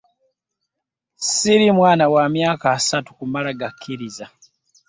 Ssiri mwana wa myaka esatu kumala gakkiriza.